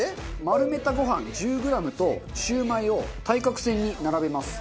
丸めたご飯１０グラムとシューマイを対角線に並べます。